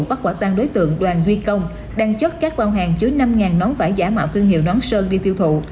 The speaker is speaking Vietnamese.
bắt quả tăng đối tượng đoàn duy công đang chất các quan hàng chứa năm nón vải giả mạo thương hiệu nón sơn đi tiêu thụ